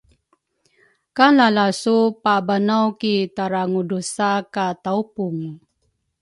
ka lalasu pabanaw ki tarangudrusa ka tawpungu.